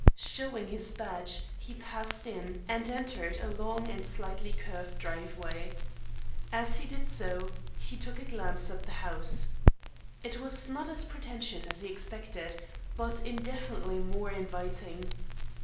Showing his badge, he passed in, and entered a long and slightly curved driveway. As he did so, he took a glance at the house. It was not as pretentious as he expected, but infinitely more inviting.